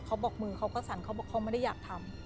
เขาบอกมือเขาก็สั่นเขาบอกเขาไม่ได้อยากทำ